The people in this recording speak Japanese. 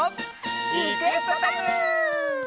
リクエストタイム！